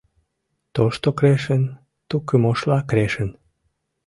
ТОШТО КРЕШЫН ТУКЫМОШЛА КРЕШЫН